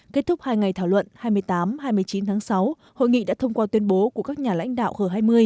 kết thúc hai ngày thảo luận hai mươi tám hai mươi chín tháng sáu hội nghị đã thông qua tuyên bố của các nhà lãnh đạo g hai mươi